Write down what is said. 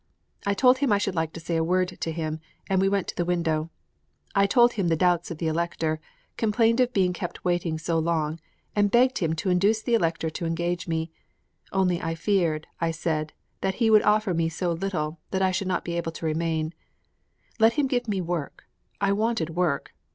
I told him I should like to say a word to him, and we went to the window. I told him the doubts of the Elector, complained of being kept waiting so long, and begged him to induce the Elector to engage me; only I feared, I said, that he would offer me so little that I should not be able to remain. Let him give me work: I wanted work.